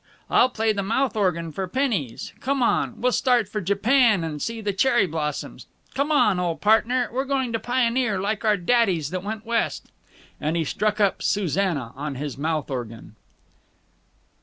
I'll play the mouth organ for pennies! Come on, we'll start for Japan, and see the cherry blossoms. Come on, old partner, we're going to pioneer, like our daddies that went West." And he struck up "Susanna" on his mouth organ.